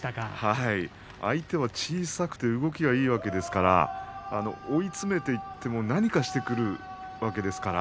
相手は小さくて動きがいいわけですから追い詰めていっても何かしてくるわけです。